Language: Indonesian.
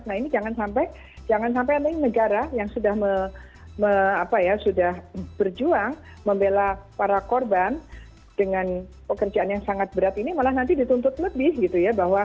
nah ini jangan sampai negara yang sudah berjuang membela para korban dengan pekerjaan yang sangat berat ini malah nanti dituntut lebih gitu ya